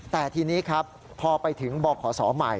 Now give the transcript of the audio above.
แต่ทีนี้ครับพอไปถึงบขศใหม่